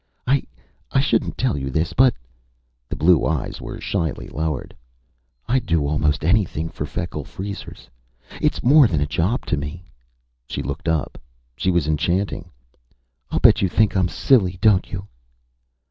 "I shouldn't tell you this, but " the blue eyes were shyly lowered "I'd do almost anything for Feckle Freezers. It's more than a job to me." She looked up. She was enchanting. "I bet you think I'm silly, don't you?"